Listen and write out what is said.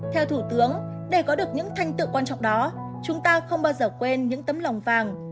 theo thủ tướng để có được những thành tựu quan trọng đó chúng ta không bao giờ quên những tấm lòng vàng